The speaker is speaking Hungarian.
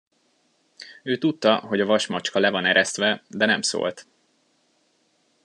Ő tudta, hogy a vasmacska le van eresztve, de nem szólt.